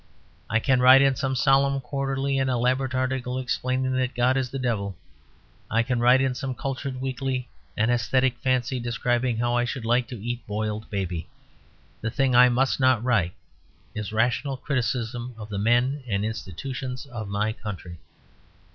I can write in some solemn quarterly an elaborate article explaining that God is the devil; I can write in some cultured weekly an aesthetic fancy describing how I should like to eat boiled baby. The thing I must not write is rational criticism of the men and institutions of my country.